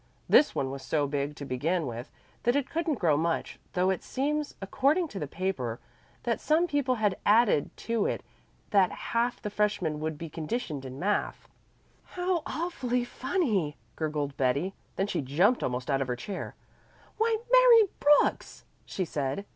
This one was so big to begin with that it couldn't grow much, though it seems, according to the paper, that some people had added to it that half the freshmen would be conditioned in math." "How awfully funny!" gurgled Betty. Then she jumped almost out of her chair. "Why, Mary Brooks!" she said.